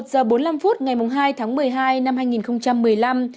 một giờ bốn mươi năm phút ngày hai tháng một mươi hai năm hai nghìn một mươi năm